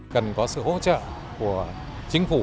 cần có sự hỗ trợ của chính phủ